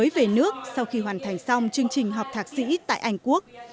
về nước sau khi hoàn thành xong chương trình học thạc sĩ tại anh quốc